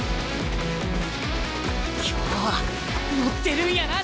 今日はのってるんやな橘！